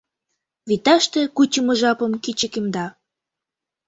Вӱташте кучымо жапым кӱчыкемда.